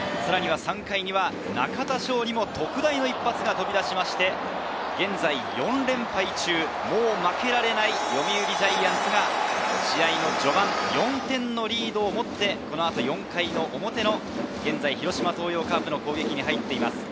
３回には中田翔にも特大の一発が飛び出して、現在４連敗中、もう負けられない読売ジャイアンツが試合の序盤、４点のリードを持って、４回表、現在、広島東洋カープの攻撃です。